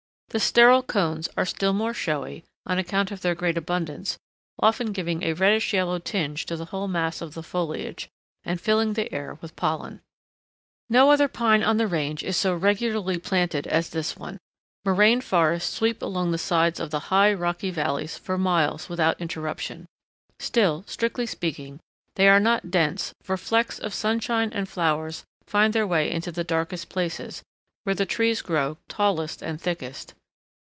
The sterile cones are still more showy, on account of their great abundance, often giving a reddish yellow tinge to the whole mass of the foliage, and filling the air with pollen. No other pine on the range is so regularly planted as this one. Moraine forests sweep along the sides of the high, rocky valleys for miles without interruption; still, strictly speaking, they are not dense, for flecks of sunshine and flowers find their way into the darkest places, where the trees grow tallest and thickest.